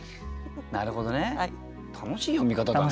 なるほどね楽しい読み方だね。